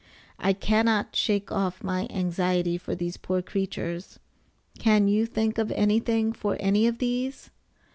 I cannot shake off my anxiety for these poor creatures. Can you think of anything for any of these?